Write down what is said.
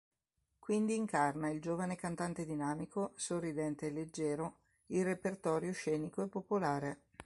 Quindi incarna il giovane cantante dinamico, sorridente e leggero, il repertorio scenico e popolare.